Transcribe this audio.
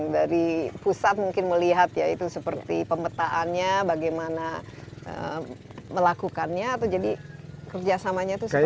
dari pusat mungkin melihat ya itu seperti pemetaannya bagaimana melakukannya